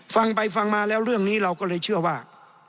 ฟังไปฟังมาแล้วเรื่องนี้เราก็เลยเชื่อว่า